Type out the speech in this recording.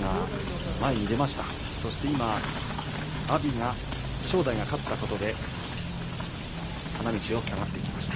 阿炎が正代が勝ったことで花道を下がっていきました。